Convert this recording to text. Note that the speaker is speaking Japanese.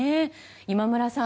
今村さん